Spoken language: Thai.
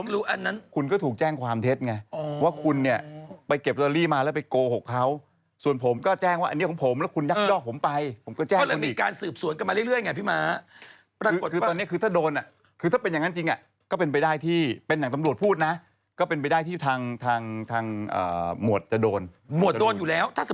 แล้วหลังจากหลังรู้อันนั้น